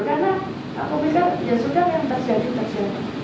karena aku pikir ya sudah kan terjadi terjadi